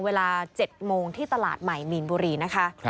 เวลา๗โมงที่ตลาดใหม่มีนบุรีนะคะ